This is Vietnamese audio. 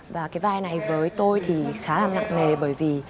và cái vai này với tôi thì khá là nặng nề bởi vì